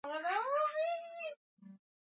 molly aliweka watu kwenye boti za kuokoa